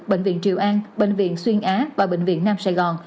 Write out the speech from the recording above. bệnh viện triều an bệnh viện xuyên á và bệnh viện nam sài gòn